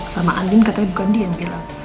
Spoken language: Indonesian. sama andin katanya bukan dia yang bilang